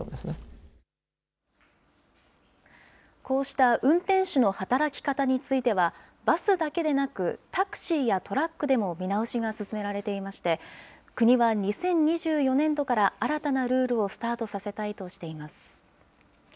こうした運転手の働き方については、バスだけでなく、タクシーやトラックでも見直しが進められていまして、国は２０２４年度から新たなルールをスタートさせたいとしています。